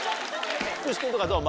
福士君とかどう？